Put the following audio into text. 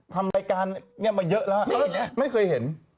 ทำรายการนี้มาเยอะแล้วไม่เคยเห็น